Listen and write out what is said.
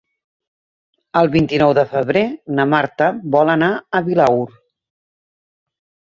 El vint-i-nou de febrer na Marta vol anar a Vilaür.